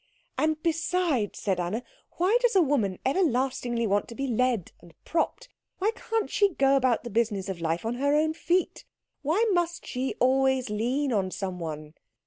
"And besides," said Anna, "why does a woman everlastingly want to be led and propped? Why can't she go about the business of life on her own feet? Why must she always lean on someone?"